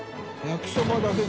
焼きそばだけ？